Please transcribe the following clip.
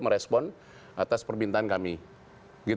merespon atas permintaan kami